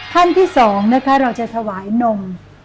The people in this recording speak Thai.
ขั้นที่สองเราจะถวายนม